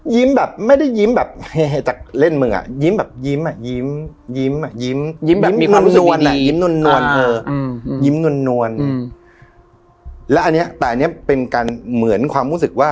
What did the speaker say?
ยิ้มแบบไม่ได้ยิ้มแบบเฮ่ยจากเล่นมึงอะ